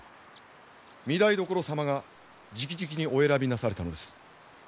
御台所様がじきじきにお選びなされたのです。